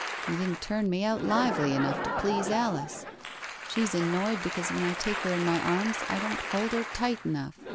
You didn't turn me out lively enough to please Alice. She's annoyed because when I take her in my arms, I don't hold her tight enough.